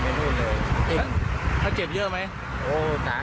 ส่วนสองตายายขี่จักรยานยนต์อีกคันหนึ่งก็เจ็บถูกนำตัวส่งโรงพยาบาลสรรค์กำแพง